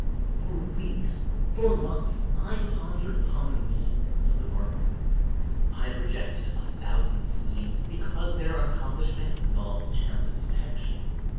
For weeks, for months, I pondered upon the means of the murder. I rejected a thousand schemes, because their accomplishment involved a chance of detection.